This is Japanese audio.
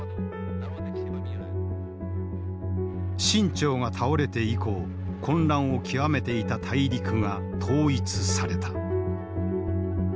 清朝が倒れて以降混乱を極めていた大陸が統一された。